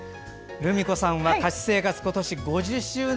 ルミ子さんは歌手生活今年５０周年。